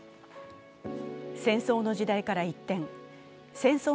戦争の時代から一転戦争